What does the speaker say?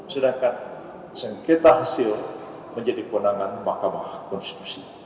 sedangkan sengketa hasil menjadi kewenangan mahkamah konstitusi